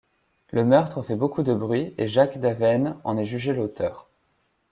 Le meurtre fait beaucoup de bruit, et Jacques d'Avesnes en est jugé l'auteur.